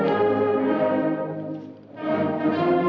lagu kebangsaan indonesia raya